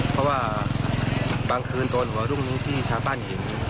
เพราะว่าบางคืนตอนหัวรุ่งนี้ที่ชาวบ้านเห็น